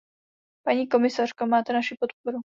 Paní komisařko, máte naši podporu.